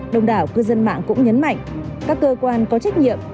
đồng đảo cư dân mạng cũng nhấn mạnh các cơ quan có trách nhiệm